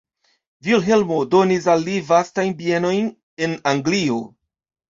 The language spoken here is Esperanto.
Vilhelmo donis al li vastajn bienojn en Anglio.